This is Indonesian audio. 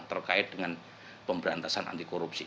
terkait dengan pemberantasan anti korupsi